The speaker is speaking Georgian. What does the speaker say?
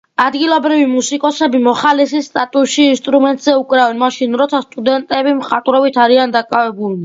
ადგილობრივი მუსიკოსები, მოხალისის სტატუსში, ინსტრუმენტზე უკრავენ, მაშინ როცა სტუდენტები მხატვრობით არიან დაკავებულნი.